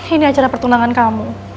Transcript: ini acara pertunangan kamu